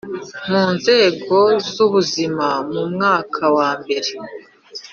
mu Nzego z Ubuzima mu mwaka wa mbere